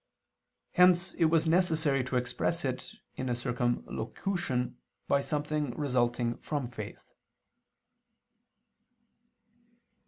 Hence it was necessary to express it in a circumlocution by something resulting from faith.